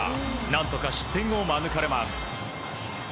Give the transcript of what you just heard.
何とか失点を免れます。